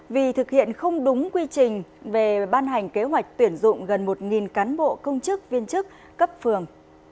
vì thực hiện không đúng quy trình về ban hành kế hoạch tuyển dụng gần một cán bộ công chức viên chức cấp phường